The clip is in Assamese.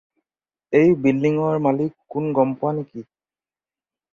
এই বিল্ডিঙৰ মালিক কোন গম পোৱা নেকি?